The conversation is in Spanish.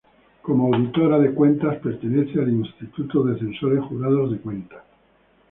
Como auditora de cuentas, pertenece al Instituto de Censores Jurados de Cuentas.